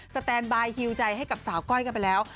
แตนบายฮิวใจให้กับสาวก้อยกันไปแล้ว